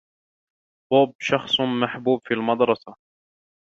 بوب شخص محبوب في المدرسة.